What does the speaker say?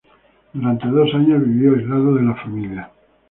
Durante dos años, vivió aislado de la familia.